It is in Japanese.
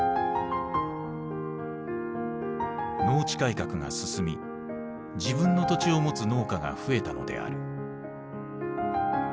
農地改革が進み自分の土地を持つ農家が増えたのである。